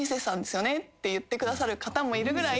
言ってくださる方もいるぐらい。